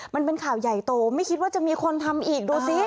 มันเป็นข่าวใหญ่โตไม่คิดว่าจะมีคนทำอีกดูสิ